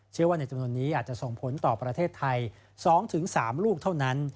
ว่าในจำนวนนี้อาจจะส่งผลต่อประเทศไทย๒๓ลูกเท่านั้น